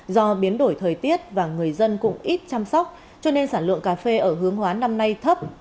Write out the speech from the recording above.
do biến đổi thời tiết và người dân cũng ít chăm sóc cho nên sản lượng cà phê ở hướng hóa năm nay thấp